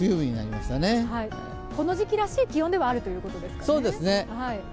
この時期らしい気温ではあるということですね。